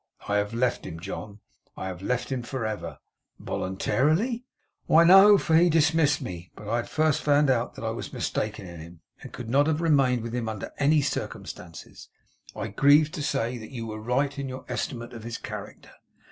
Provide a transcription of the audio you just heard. I have left him, John. I have left him for ever.' 'Voluntarily?' 'Why, no, for he dismissed me. But I had first found out that I was mistaken in him; and I could not have remained with him under any circumstances. I grieve to say that you were right in your estimate of his character.